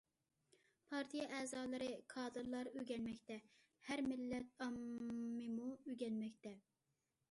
پارتىيە ئەزالىرى، كادىرلار ئۆگەنمەكتە، ھەر مىللەت ئاممىمۇ ئۆگەنمەكتە.